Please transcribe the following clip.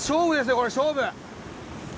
これ勝負！